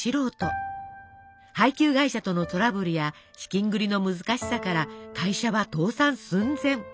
配給会社とのトラブルや資金繰りの難しさから会社は倒産寸前。